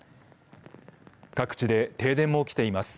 各地で停電も起きています。